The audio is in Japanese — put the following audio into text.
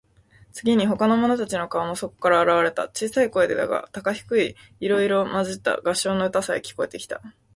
次に、ほかの者たちの顔もそこから現われた。小さい声でだが、高低いろいろまじった合唱の歌さえ、聞こえてきた。